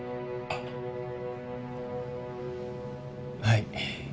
はい。